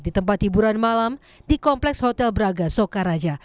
di tempat hiburan malam di kompleks hotel braga sokaraja